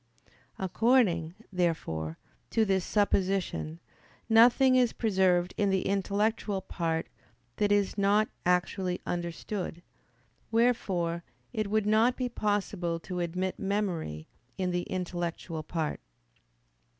According, therefore, to this supposition, nothing is preserved in the intellectual part that is not actually understood: wherefore it would not be possible to admit memory in the intellectual part.